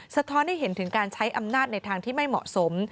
สะท้อนให้เห็นถึงการใช้อำนาจในทางที่ไม่เหมาะสม